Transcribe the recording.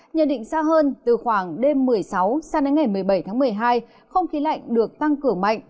nhân định xa hơn từ khoảng đêm một mươi sáu sang đến ngày một mươi bảy một mươi hai không khí lạnh được tăng cửa mạnh